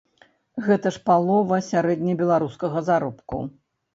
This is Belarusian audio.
Гэта ж палова сярэднебеларускага заробку.